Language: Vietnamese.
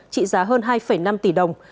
trị giá hơn hai năm tỷ đồng